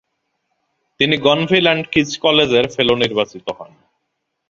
তিনি Gonville and Caius কলেজের ফেলো নির্বাচিত হন।